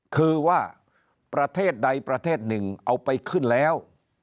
คือว่าประเทศใดประเทศหนึ่งเอาไปขึ้นแล้ว